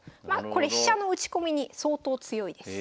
これ飛車の打ち込みに相当強いです。